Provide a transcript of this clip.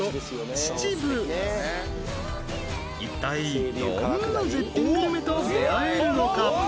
秩父一体どんな絶品グルメと出会えるのか？